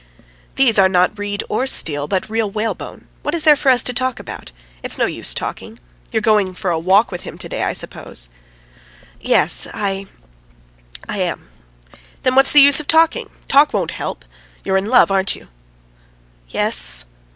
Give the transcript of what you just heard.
"These are not reed or steel, but real whalebone. ... What is there for us to talk about? It's no use talking. ... You are going for a walk with him to day, I suppose?" "Yes; I ... I am." "Then what's the use of talking? Talk won't help. ... You are in love, aren't you?" "Yes